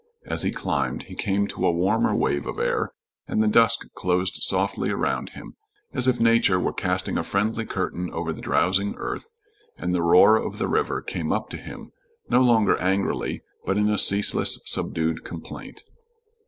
As he climbed he came to a warmer wave of air, and the dusk closed softly around him, as if nature were casting a friendly curtain over the drowsing earth; and the roar of the river came up to him, no longer angrily, but in a ceaseless, subdued complaint.